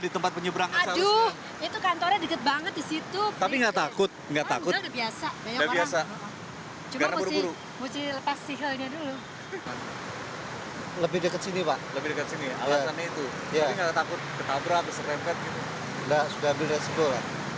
takut ketabrak serentet sudah beresiko lah